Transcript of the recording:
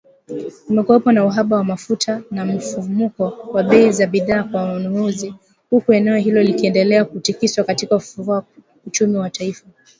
Kumekuwepo na uhaba wa mafuta na mfumuko wa bei za bidhaa kwa wanunuzi, huku eneo hilo likiendelea kutikiswa katika kufufua uchumi wa taifa